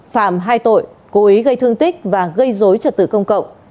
phạm hai tội cố ý gây thương tích và gây dối trật tự công cộng